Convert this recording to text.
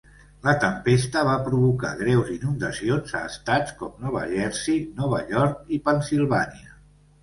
La tempesta va provocar greus inundacions a estats com Nova Jersey, Nova York i Pennsilvània.